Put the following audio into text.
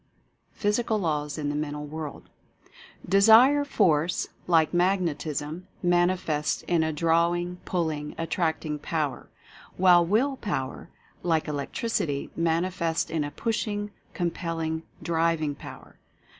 PHYSICAL LAWS IN THE MENTAL WORLD. Desire Force, like Magnetism, manifests in a draw ing, pulling, attracting power; while Will Power, like Electricity, manifests in a pushing, compelling, driv ing power.